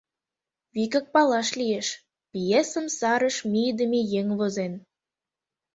Вигак палаш лиеш: пьесым сарыш мийыдыме еҥ возен.